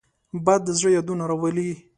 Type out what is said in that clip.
باد د زړه یادونه راولي